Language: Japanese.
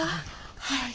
はい。